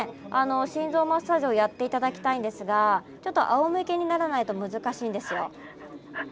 心臓マッサージをやって頂きたいんですがちょっとあおむけにならないと難しいんですよ。